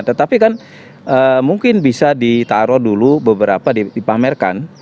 tetapi kan mungkin bisa ditaruh dulu beberapa dipamerkan